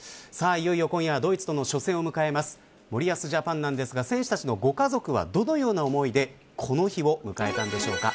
いよいよ今夜ドイツとの初戦を迎える森保ジャパンですが選手たちのご家族は、どのような思いでこの日を迎えたのでしょうか。